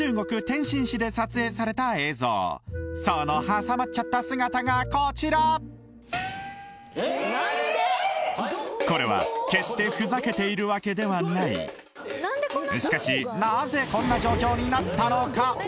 天津市で撮影された映像その挟まっちゃった姿がこちらこれは決してふざけているわけではないしかしなぜこんな状況になったのか？